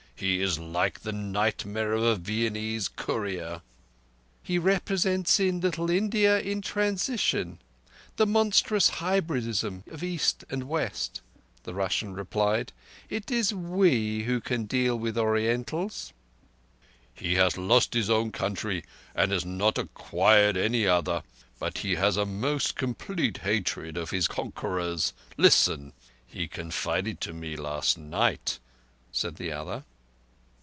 "He is like the nightmare of a Viennese courier." "He represents in petto India in transition—the monstrous hybridism of East and West," the Russian replied. "It is we who can deal with Orientals." "He has lost his own country and has not acquired any other. But he has a most complete hatred of his conquerors. Listen. He confided to me last night," said the other.